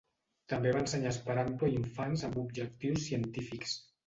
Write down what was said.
També va ensenyar esperanto a infants amb objectius científics.